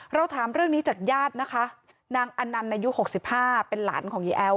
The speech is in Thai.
เราถามเรื่องนี้จากญาตินะคะนางอนันต์อายุ๖๕เป็นหลานของยายแอ้ว